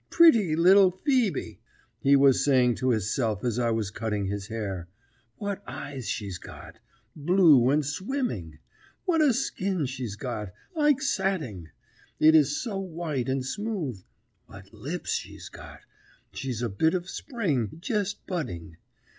'Pritty little Ph[oe]be!' he was saying to hisself as I was cutting his hair. 'What eyes she's got! Bloo and swimming! What a skin's she's got! like satting, it is so white and smooth! What lips she's got! She's a bit of spring, jest budding.